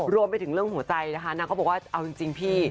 รวมไปถึงเรื่องหัวใจนะคะนางก็บอกว่าเอาจริงพี่